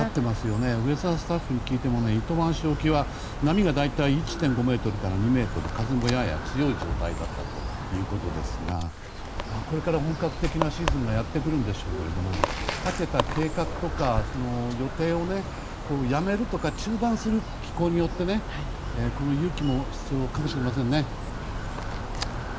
ウェザースタッフに聞いても波が大体１．５ｍから２ｍ風も、やや強い状態だったということですがこれから本格的なシーズンがやってくるんでしょうけど立てた計画とか予定をやめるとか気候によって中断するという勇気も必要かもしれませんね。